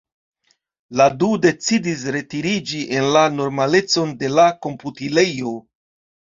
La du decidis retiriĝi en la normalecon de la komputilejo.